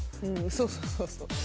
そうそうそうそう。